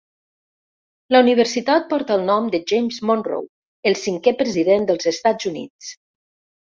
La universitat porta el nom de James Monroe, el cinquè president dels Estats Units.